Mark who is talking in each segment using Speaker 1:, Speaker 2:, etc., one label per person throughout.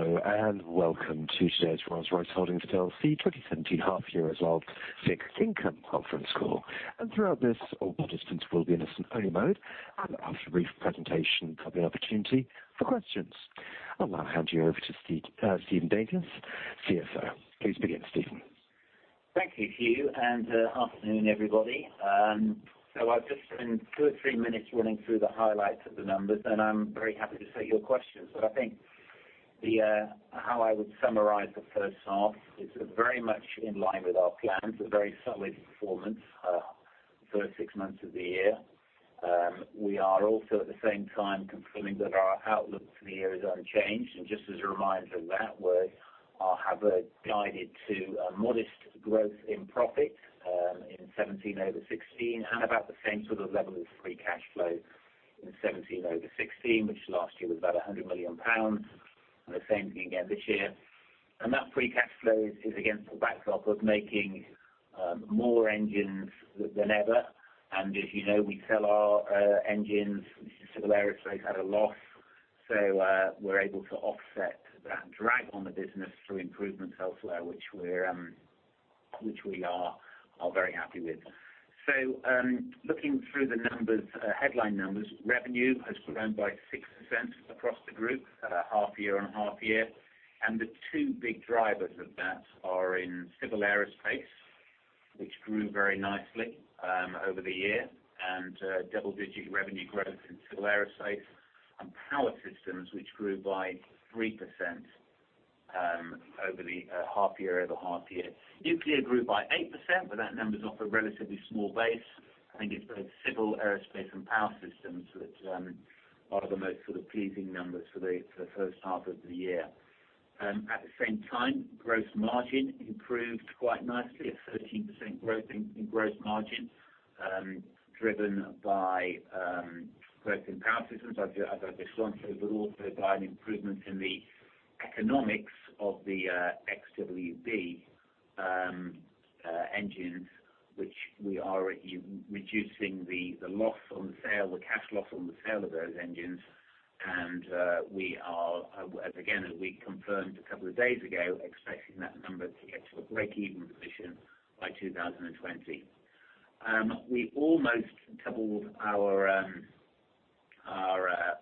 Speaker 1: Hello, welcome to today's Rolls-Royce Holdings PLC 2017 half-year result Fixed Income conference call. Throughout this, all participants will be in a listen-only mode. After a brief presentation, there'll be an opportunity for questions. I'll now hand you over to Stephen Daintith, CFO. Please begin, Stephen.
Speaker 2: Thank you, Hugh, afternoon, everybody. I'll just spend two or three minutes running through the highlights of the numbers. I'm very happy to take your questions. I think how I would summarize the first half is very much in line with our plans, a very solid performance for the first six months of the year. We are also, at the same time, confirming that our outlook for the year is unchanged. Just as a reminder of that, we have guided to a modest growth in profit in 2017 over 2016, about the same sort of level of free cash flow in 2017 over 2016, which last year was about 100 million pounds. The same thing again this year. That free cash flow is against the backdrop of making more engines than ever. As you know, we sell our engines to Civil Aerospace at a loss. We're able to offset that drag on the business through improvements elsewhere, which we are very happy with. Looking through the headline numbers, revenue has grown by 6% across the group, half-year on half-year. The two big drivers of that are in Civil Aerospace, which grew very nicely over the year, double-digit revenue growth in Civil Aerospace, Power Systems, which grew by 3% over the half-year over half-year. Nuclear grew by 8%. That number's off a relatively small base. I think it's both Civil Aerospace and Power Systems that are the most pleasing numbers for the first half of the year. At the same time, gross margin improved quite nicely, a 13% growth in gross margin, driven by growth in Power Systems, as I just went through, also by an improvement in the economics of the Trent XWB engines, which we are reducing the loss on sale, the cash loss on the sale of those engines. We are, again, as we confirmed a couple of days ago, expecting that number to get to a breakeven position by 2020. We almost doubled our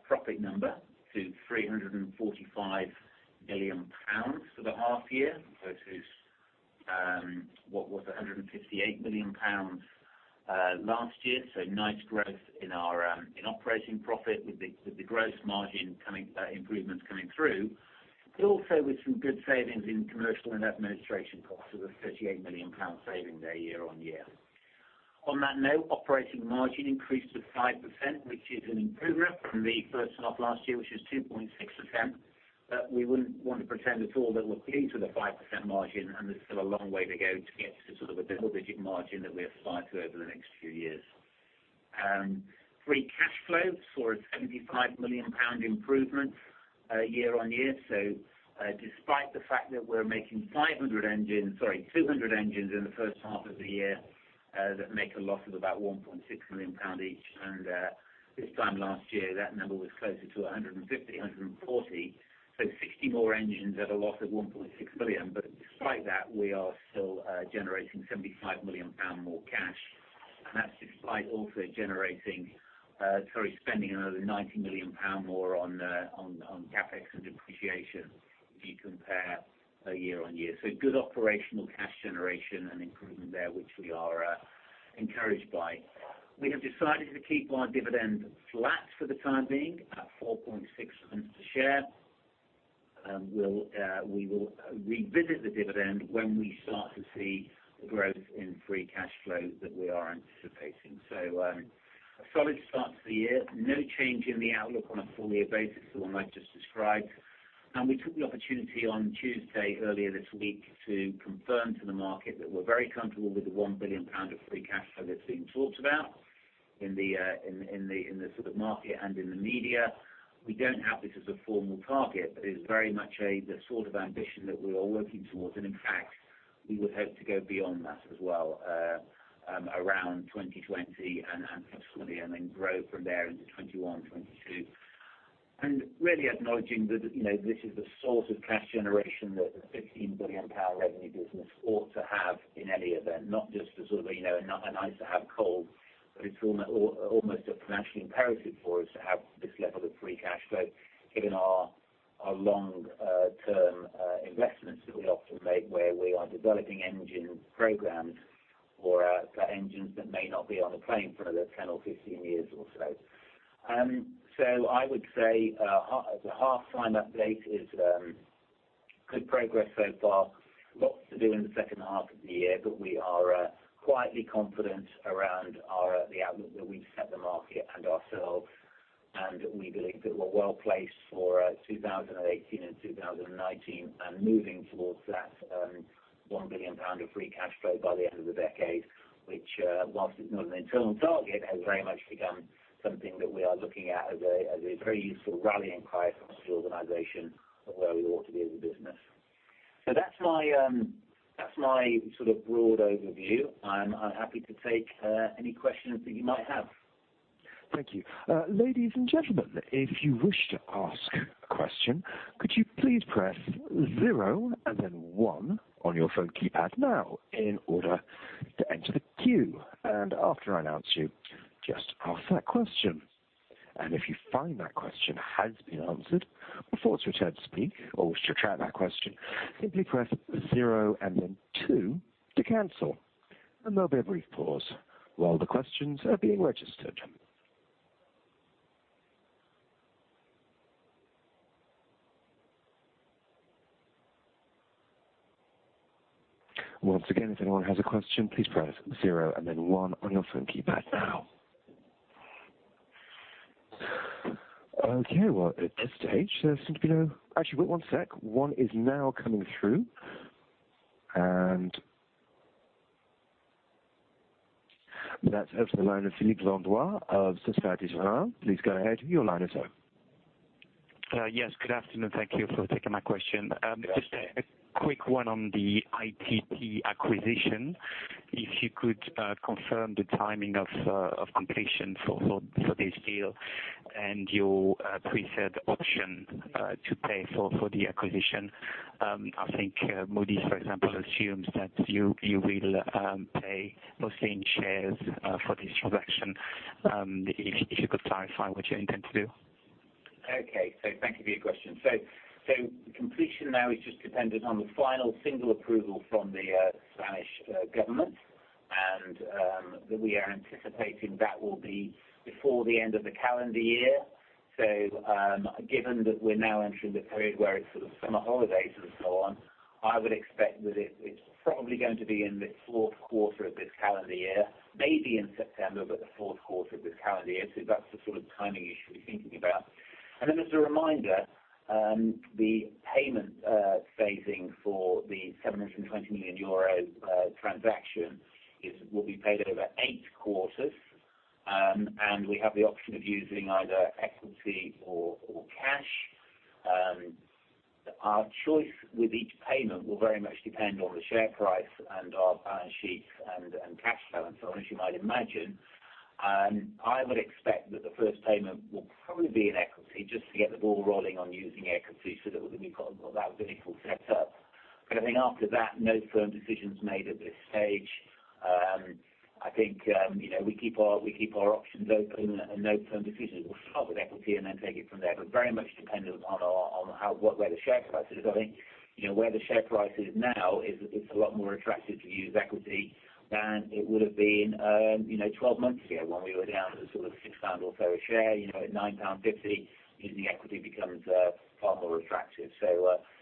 Speaker 2: profit number to 345 million pounds for the half-year, versus what was 158 million pounds last year. Nice growth in operating profit with the gross margin improvements coming through, also with some good savings in commercial and administration costs of a 38 million pound saving there year-on-year. On that note, operating margin increased to 5%, which is an improvement from the first half last year, which was 2.6%. We wouldn't want to pretend at all that we're pleased with a 5% margin, and there's still a long way to go to get to a double-digit margin that we aspire to over the next few years. Free cash flow saw a GBP 75 million improvement year-on-year. Despite the fact that we're making 200 engines in the first half of the year that make a loss of about 1.6 million pound each, and this time last year, that number was closer to 150, 140. 60 more engines at a loss of 1.6 million, but despite that, we are still generating 75 million pound more cash. That's despite also spending another 90 million pound more on CapEx and depreciation if you compare year-on-year. Good operational cash generation and improvement there, which we are encouraged by. We have decided to keep our dividend flat for the time being at 0.046 per share. We will revisit the dividend when we start to see the growth in free cash flow that we are anticipating. A solid start to the year. No change in the outlook on a full year basis to the one I've just described. We took the opportunity on Tuesday earlier this week to confirm to the market that we're very comfortable with the 1 billion pound of free cash flow that's being talked about in the market and in the media. We don't have this as a formal target, but it is very much the ambition that we are working towards. In fact, we would hope to go beyond that as well around 2020 and subsequently, and then grow from there into 2021, 2022. Really acknowledging that this is the cash generation that a 15 billion pound revenue business ought to have in any event, not just for a nice-to-have goal, but it's almost a financial imperative for us to have this level of free cash flow, given our long-term investments that we often make where we are developing engine programs for engines that may not be on a plane for another 10 or 15 years or so. I would say as a half time update is good progress so far. Lots to do in the second half of the year, but we are quietly confident around the outlook that we've set the market and ourselves, and we believe that we're well-placed for 2018 and 2019, and moving towards that 1 billion pound of free cash flow by the end of the decade, which, whilst it's not an internal target, has very much become something that we are looking at as a very useful rallying cry for the organization for where we ought to be as a business. That's my broad overview. I'm happy to take any questions that you might have.
Speaker 1: Thank you. Ladies and gentlemen, if you wish to ask a question, could you please press zero and then one on your phone keypad now in order to enter the queue? After I announce you, just ask that question. If you find that question has been answered before it's your turn to speak or wish to retract that question, simply press zero and then two to cancel. There'll be a brief pause while the questions are being registered. Once again, if anyone has a question, please press zero and then one on your phone keypad now. Well, at this stage there seem to be no. Actually, wait one sec. One is now coming through. That's over the line of Philippe Landois of Societe Generale. Please go ahead, your line is open.
Speaker 3: Yes, good afternoon. Thank you for taking my question.
Speaker 1: Yeah.
Speaker 3: Just a quick one on the ITP acquisition. If you could confirm the timing of completion for this deal and your pre-set option to pay for the acquisition. I think Moody's, for example, assumes that you will pay mostly in shares for this transaction. If you could clarify what you intend to do.
Speaker 2: Thank you for your question. Completion now is just dependent on the final single approval from the Spanish government, and that we are anticipating that will be before the end of the calendar year. Given that we're now entering the period where it's sort of summer holidays and so on, I would expect that it's probably going to be in the fourth quarter of this calendar year, maybe in September, but the fourth quarter of this calendar year. That's the sort of timing you should be thinking about. As a reminder, the payment phasing for the 720 million euro transaction will be paid over eight quarters. We have the option of using either equity or cash. Our choice with each payment will very much depend on the share price and our balance sheet and cash flow and so on, as you might imagine. I would expect that the first payment will probably be in equity just to get the ball rolling on using equity so that we've got that vehicle set up. I think after that, no firm decision is made at this stage. We keep our options open and no firm decisions. We'll start with equity and then take it from there, but very much dependent on where the share price is. Where the share price is now, it's a lot more attractive to use equity than it would have been 12 months ago when we were down to sort of 6 pound or so a share. At 9.50 pound, using equity becomes far more attractive.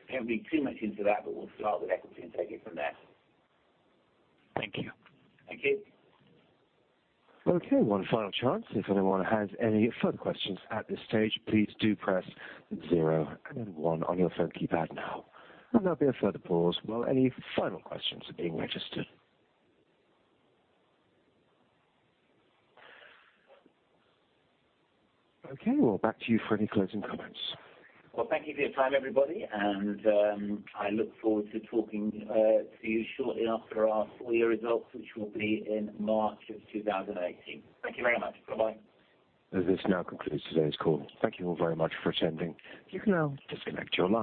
Speaker 2: Haven't been too much into that, we'll start with equity and take it from there.
Speaker 3: Thank you.
Speaker 1: Thank you. One final chance. If anyone has any further questions at this stage, please do press zero and then one on your phone keypad now. There'll be a further pause while any final questions are being registered. Back to you for any closing comments.
Speaker 2: Well, thank you for your time, everybody, and I look forward to talking to you shortly after our full year results, which will be in March of 2018. Thank you very much. Bye-bye.
Speaker 1: This now concludes today's call. Thank you all very much for attending. You can now disconnect your line.